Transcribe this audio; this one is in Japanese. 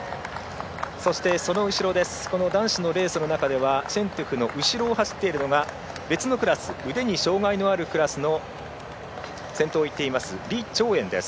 そして、その後ろ男子のレースの中ではシェントゥフの後ろを走っているのが、別のクラス腕に障がいのあるクラスの先頭をいっています